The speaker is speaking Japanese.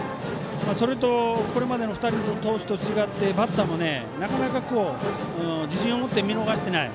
それと、これまでの２人の投手と違ってバッターもなかなか自信を持って見逃してない。